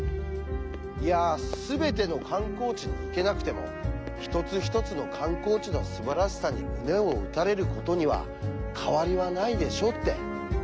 いやすべての観光地に行けなくても一つ一つの観光地のすばらしさに胸を打たれることには変わりはないでしょうって。